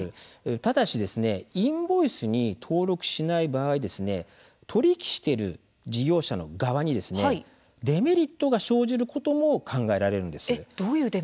ただしインボイスに登録しない場合取り引きしている事業者の側にデメリットが生じることも考えられるんです。